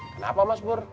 kenapa mas pur